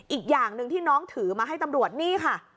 อีกอย่างหนึ่งที่น้องถือมาให้ตำรวจนี่ค่ะ